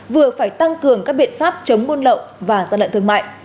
vừa phải tăng cường các biện pháp chấm buôn lộng và gian lận thương mại